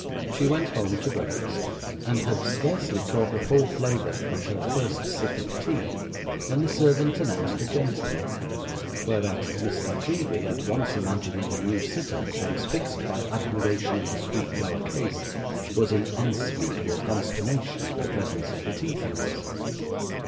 She went home to breakfast, and had scarcely caught the full flavour of her first sip of tea, when the servant announced a gentleman, whereat Miss La Creevy, at once imagining a new sitter transfixed by admiration at the street door case, was in unspeakable consternation at the presence of the tea things.